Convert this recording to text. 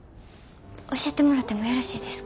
教えてもらってもよろしいですか？